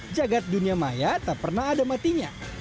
jagat dunia maya tak pernah ada matinya